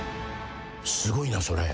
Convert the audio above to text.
すごいなそれ。